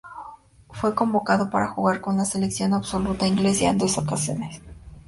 Fue convocado para jugar con la selección absoluta inglesa en dos ocasiones.